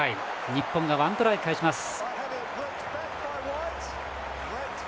日本が１トライ返します。